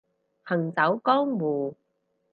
行走江湖